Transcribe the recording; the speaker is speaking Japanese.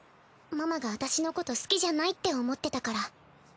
ママが私のこと好きじゃないって思ってたから。